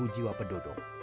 delapan jiwa penduduk